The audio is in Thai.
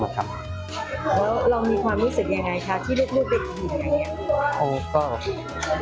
เรามีความรู้สึกยังไงคะที่เรียกรูปเลยลูกเด็กหิงอย่างไร